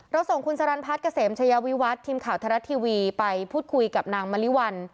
เราส่งคุณสรรพัฒน์กระเสมชายวิวัฒน์ทีมข่าวธรรมดาทีวีไปพูดคุยกับนางมริวัล